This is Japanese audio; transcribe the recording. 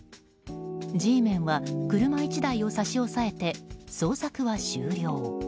Ｇメンは車１台を差し押さえて捜索は終了。